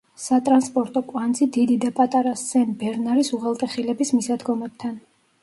სატრანსპორტო კვანძი დიდი და პატარა სენ-ბერნარის უღელტეხილების მისადგომებთან.